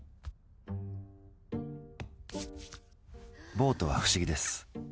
ボートは不思議です。